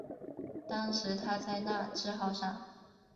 当时他在那智号上。